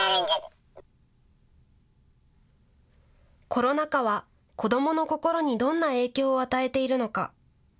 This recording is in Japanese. コロナ禍は子どもの心にどんな影響を与えているのか。